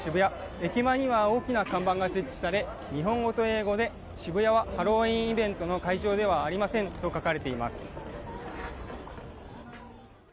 駅前には大きな看板が設置され日本語と英語で渋谷はハロウィーンイベントの会場ではありませんと書かれています。